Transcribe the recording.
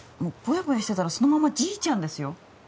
ボヤボヤしてたらそのままじいちゃんですよ